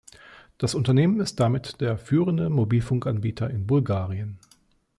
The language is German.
Das Unternehmen ist damit der führende Mobilfunkanbieter in Bulgarien.